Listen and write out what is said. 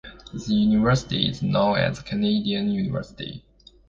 This university is known as "Canadian University".